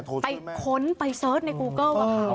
ไปค้นไปเสิร์ชในกูเกิ้ล